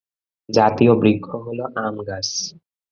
জাতীয় বৃক্ষ হলো আম গাছ।